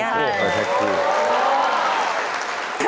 ใช่ครับทั้งคู่แพลกคู่